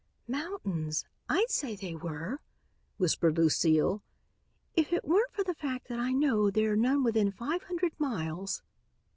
"Mountains, I'd say they were," whispered Lucile, "if it weren't for the fact that I know there are none within five hundred miles."